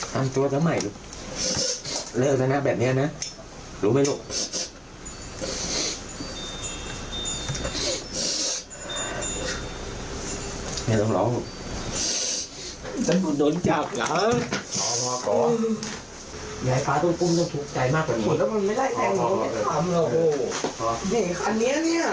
เน่นฟ้าต้องกุ้มต้องคุกใจมากกว่างี้